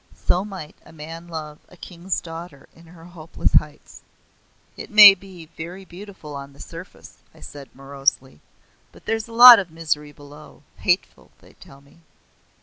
So might a man love a king's daughter in her hopeless heights. "It may be very beautiful on the surface," I said morosely; "but there's a lot of misery below hateful, they tell me."